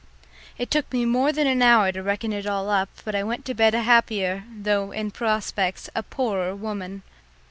It took me more than an hour to reckon it all up, but I went to bed a happier, though in prospects a poorer woman.